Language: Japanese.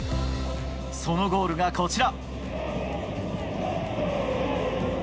そのゴールがこちら。